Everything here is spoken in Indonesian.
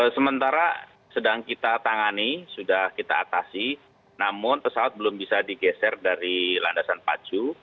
sementara sedang kita tangani sudah kita atasi namun pesawat belum bisa digeser dari landasan pacu